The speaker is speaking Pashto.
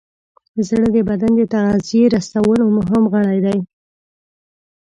زړه د بدن د تغذیې رسولو مهم غړی دی.